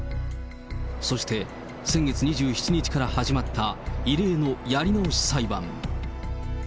そして、先月２７日から始まった異例のやり直し裁判。